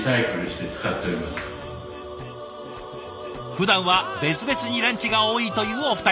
ふだんは別々にランチが多いというお二人。